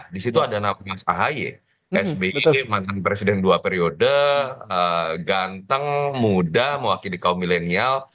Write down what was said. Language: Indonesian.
di situ ada nama mas ahy sby mantan presiden dua periode ganteng muda mewakili kaum milenial